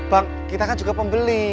bank kita kan juga pembeli